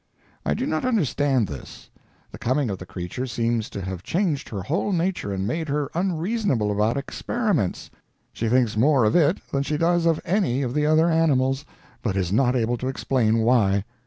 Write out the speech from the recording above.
I do not understand this. The coming of the creature seems to have changed her whole nature and made her unreasonable about experiments. She thinks more of it than she does of any of the other animals, but is not able to explain why.